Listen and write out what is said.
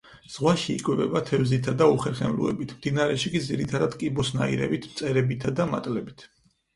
ზღვაში იკვებება თევზებითა და უხერხემლოებით, მდინარეში კი ძირითადად კიბოსნაირებით, მწერებითა და მატლებით.